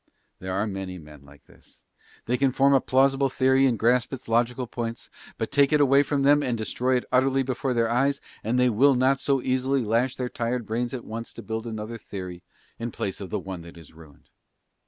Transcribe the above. There are many men like this; they can form a plausible theory and grasp its logical points, but take it away from them and destroy it utterly before their eyes, and they will not so easily lash their tired brains at once to build another theory in place of the one that is ruined.